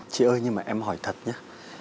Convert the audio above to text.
chị ơi nhưng mà em hỏi thật nhé